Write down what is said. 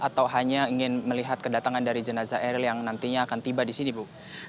atau hanya ingin melihat kedatangan dari jenazah eril yang nantinya akan tiba di sini bu